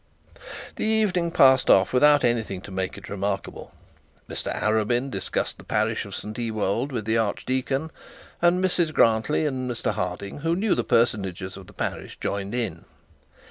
The evening passed off without anything to make it remarkable. Mr Arabin discussed the parish of St Ewold with the archdeacon, and Mrs Grantly and Mr Harding, who knew the parsonages of the parish, joined in.